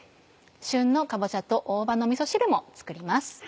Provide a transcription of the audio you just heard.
旬のかぼちゃと大葉のみそ汁も作ります。